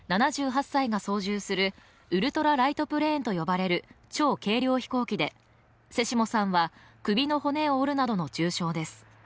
７８歳が操縦するウルトラライトプレーンと呼ばれる超軽量飛行機で瀬下さんは首の骨を折るなどの重傷です。